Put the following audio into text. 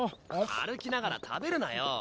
歩きながら食べるなよ！